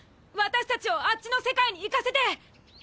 私達をあっちの世界に行かせて！